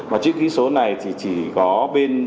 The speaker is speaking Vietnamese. và chữ ký số này thì chỉ có bên